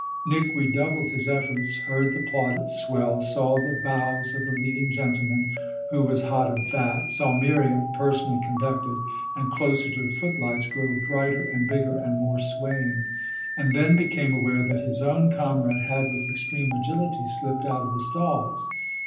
Nick redoubled his efforts; heard the plaudits swell; saw the bows of the leading gentleman, who was hot and fat; saw Miriam, personally conducted and closer to the footlights, grow brighter and bigger and more swaying; and then became aware that his own comrade had with extreme agility slipped out of the stalls.